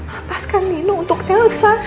lepaskan nina untuk elsa